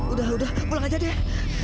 udah udah pulang aja deh